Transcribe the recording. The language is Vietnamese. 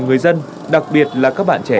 người dân đặc biệt là các bạn trẻ